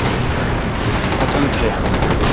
اتون تھ۔